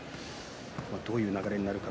どういう流れになるか